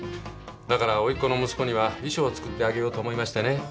だから甥っ子の息子には衣装を作ってあげようと思いましてね。